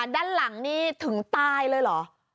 ด้านหลังนี่ถึงตายเลยเหรอ